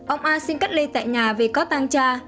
ông a xin cách ly tại nhà vì có tang cha